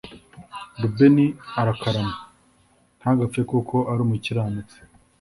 rubeni arakarama, ntagapfe kuko ari umukiranutsi,